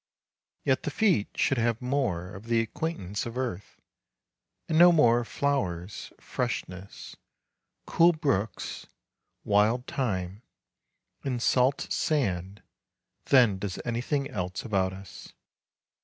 Yet the feet should have more of the acquaintance of earth, and know more of flowers, freshness, cool brooks, wild thyme, and salt sand than does anything else about us.